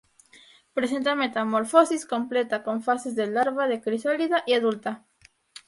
Presenta metamorfosis completa, con fases de larva, de crisálida y adulta.